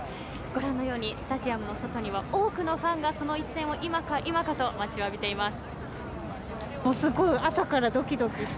ご覧のようにスタジアムの外には多くのファンがその一戦を今か今かと待ちわびています。